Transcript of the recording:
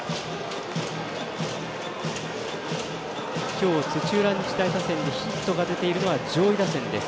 今日、土浦日大打線にヒットが出ているのは上位打線です。